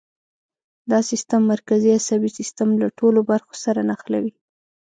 دا سیستم مرکزي عصبي سیستم له ټولو برخو سره نښلوي.